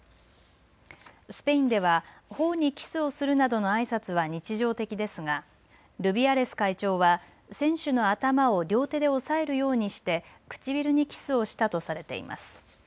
スペインでは、ほおにキスをするなどのあいさつは日常的ですがルビアレス会長は選手の頭を両手で押さえるようにして唇にキスをしたとされています。